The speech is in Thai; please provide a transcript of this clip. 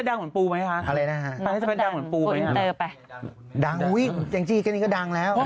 ดังอย่างจริงแบบนี้ก็ดังแล้ว